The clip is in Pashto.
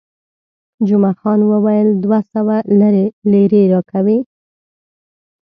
جمعه خان وویل، دوه سوه لیرې راکوي.